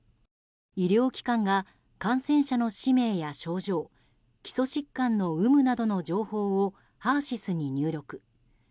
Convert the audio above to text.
医療機関が感染者の氏名や症状基礎疾患の有無などの情報をＨＥＲ‐ＳＹＳに入力。